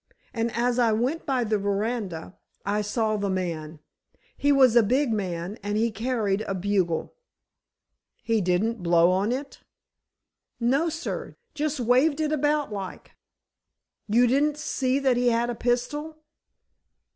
And as I went by the veranda, I saw the man. He was a big man, and he carried a bugle." "He didn't blow on it?" "No, sir. Just waved it about like." "You didn't see that he had a pistol?"